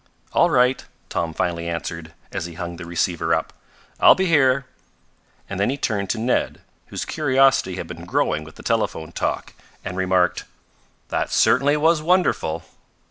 "All right," Tom finally answered, as he hung the receiver up, "I'll be here," and then he turned to Ned, whose curiosity had been growing with the telephone talk, and remarked: "That certainly was wonderful!"